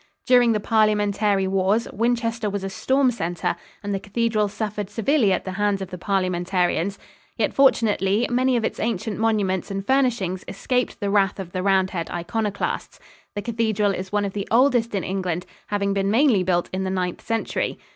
During the Parliamentary wars Winchester was a storm center and the cathedral suffered severely at the hands of the Parliamentarians. Yet fortunately, many of its ancient monuments and furnishings escaped the wrath of the Roundhead iconoclasts. The cathedral is one of the oldest in England, having been mainly built in the Ninth Century.